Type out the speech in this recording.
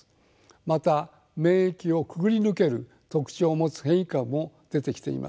また免疫をくぐり抜ける特徴を持つ変異株も出てきています。